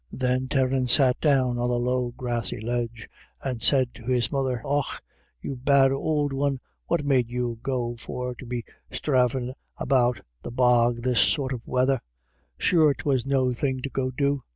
Then Terence sat down on a low grassy ledge, and said to his mother :" Och, you bad ould one, what made you go for to be stravadin' about the bog this sort of weather? Sure 'twas no thing to go do.